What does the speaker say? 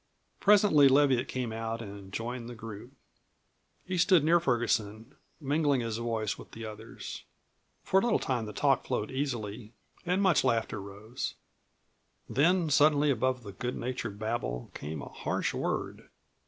Presently Leviatt came out and joined the group. He stood near Ferguson, mingling his voice with the others. For a little time the talk flowed easily and much laughter rose. Then suddenly above the good natured babble came a harsh word.